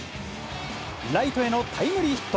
ライトへのタイムリーヒット。